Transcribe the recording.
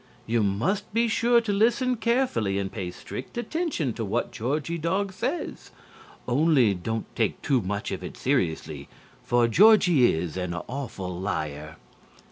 You must be sure to listen carefully and pay strict attention to what Georgie Dog says. Only, don't take too much of it seriously, for Georgie is an awful liar."